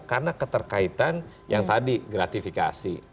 karena keterkaitan yang tadi gratifikasi